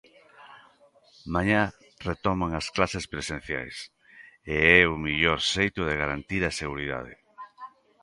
Mañá retoman as clases presenciais e é o mellor xeito de garantir a seguridade.